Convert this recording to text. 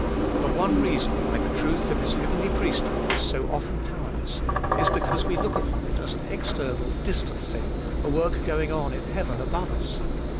The one reason why the truth of His heavenly priesthood is so often powerless, is because we look upon it as an external distant thing, a work going on in heaven above us.